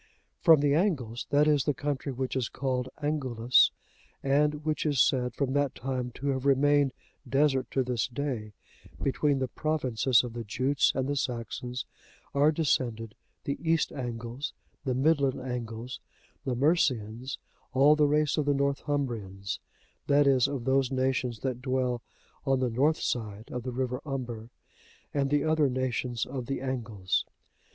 From the Angles, that is, the country which is called Angulus,(87) and which is said, from that time, to have remained desert to this day, between the provinces of the Jutes and the Saxons, are descended the East Angles, the Midland Angles, the Mercians, all the race of the Northumbrians, that is, of those nations that dwell on the north side of the river Humber, and the other nations of the Angles.